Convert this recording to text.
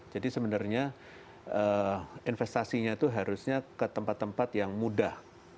jadi sebenarnya investasinya itu harusnya ke tempat tempat yang mudah